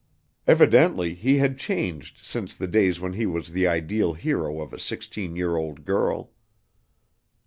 Evidently he had changed since the days when he was the ideal hero of a sixteen year old girl.